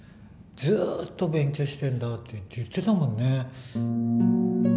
ずっと勉強してんだって言ってたもんね。